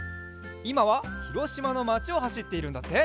いまはひろしまのまちをはしっているんだって。